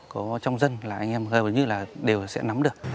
có trong dân là anh em hơi như là đều sẽ nắm được